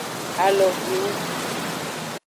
Aloviwo.